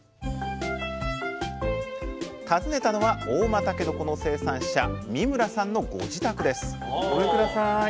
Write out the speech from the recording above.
訪ねたのは合馬たけのこの生産者三村さんのご自宅ですごめんください。